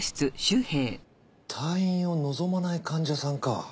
退院を望まない患者さんか。